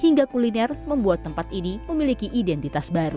hingga kuliner membuat tempat ini memiliki identitas baru